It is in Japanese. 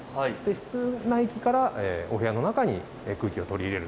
室内機からお部屋の中に空気を取り入れる。